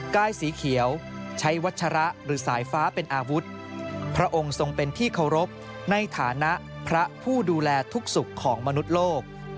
้ายสีเขียวใช้วัชระหรือสายฟ้าเป็นอาวุธพระองค์ทรงเป็นที่เคารพในฐานะพระผู้ดูแลทุกสุขของมนุษย์โลก